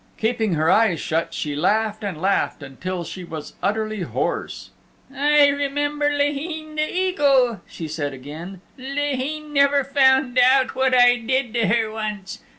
Keeping her eyes shut, she laughed and laughed until she was utterly hoarse. "I remember Laheen the Eagle," she said again. "Laheen never found out what I did to her once.